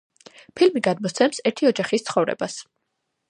ფილმი გადმოსცემს ერთი ოჯახის ცხოვრებას.